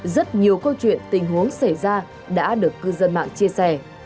rất nhiều câu chuyện tình huống xảy ra đã được cư dân mạng chia sẻ